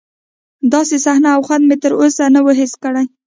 داسې صحنه او خوند مې تر اوسه نه و حس کړی.